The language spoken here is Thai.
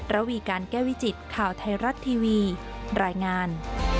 ระวีการแก้วิจิตข่าวไทยรัฐทีวีรายงาน